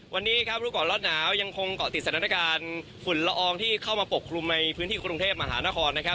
วันนี้ครับรู้ก่อนร้อนหนาวยังคงเกาะติดสถานการณ์ฝุ่นละอองที่เข้ามาปกคลุมในพื้นที่กรุงเทพมหานครนะครับ